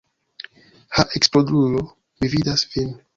Ha eksplodulo, mi vidas vin!